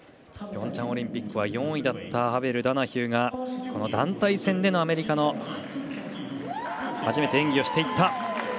ピョンチャンオリンピックは４位だったハベル、ダナヒューが団体戦でのアメリカで初めて演技をしていった。